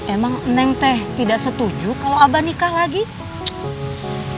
emang neng teh tidak setuju kalau abah nikah lagi